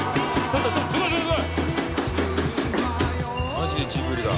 マジでジブリだ。